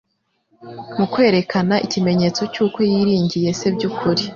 Mu kwerekana ikimenyetso cy'uko yiringiye Se by'ukuri,